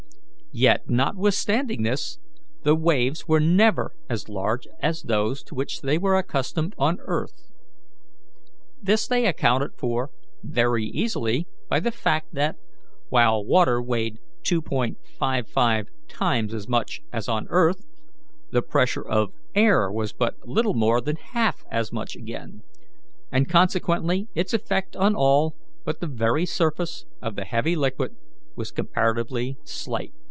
Yet, notwithstanding this, the waves were never as large as those to which they were accustomed on earth. This they accounted for very easily by the fact that, while water weighed 2.55 times as much as on earth, the pressure of air was but little more than half as much again, and consequently its effect on all but the very surface of the heavy liquid was comparatively slight.